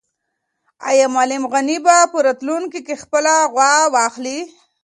آیا معلم غني به په راتلونکي کې خپله غوا واخلي؟